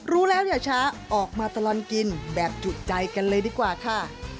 รู้แล้วอย่าช้าออกมาตลอดกินแบบจุใจกันเลยดีกว่าค่ะ